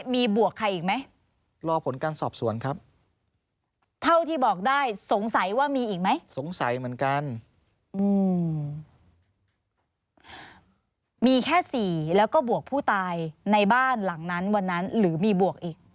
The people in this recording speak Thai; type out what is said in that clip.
มีแค่๔แล้วก็บวกผู้ตายในบ้านหลังนั้นวันนั้นหรือมีบวกอีก